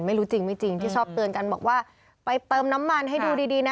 ไม่รู้จริงที่ชอบเติมกันบอกว่าไปเติมน้ำมันให้ดูดีนะ